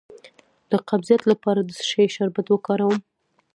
د قبضیت لپاره د څه شي شربت وکاروم؟